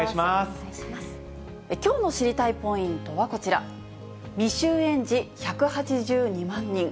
きょうの知りたいポイントはこちら、未就園児１８２万人。